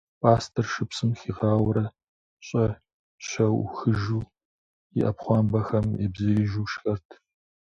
Пӏастэр шыпсым хигъауэурэ, щӏэщэӏухьыжу, и ӏэпхъуамбэхэм ебзеижу шхэрт.